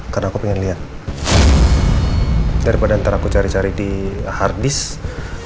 karena aku pengen lihat daripada ntar aku cari cari di harddisk